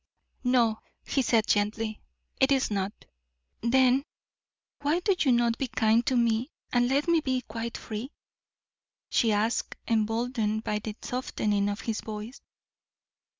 "No," he said, gently, "it is not." "Then why do you not be kind to me, and let me be quite free?" she asked, emboldened by the softening of his voice.